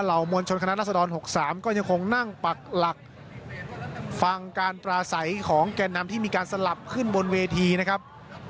มวลชนคณะรัศดร๖๓ก็ยังคงนั่งปักหลักฟังการปราศัยของแก่นำที่มีการสลับขึ้นบนเวทีนะครับ